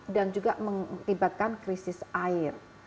dan juga mengakibatkan krisis air